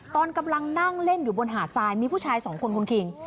ตอนกำลังนั่งเล่นอยู่บนหาดทรายมีผู้ชายสองคนคุณคิง